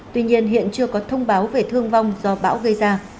tuy nhiên hiện chưa có thông báo về thương vong do bão gây ra